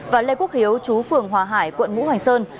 và lê quốc hiếu chú phường hòa hải quận ngũ hành sơn